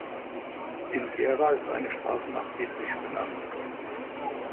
In Gera ist eine Straße nach Petrich benannt.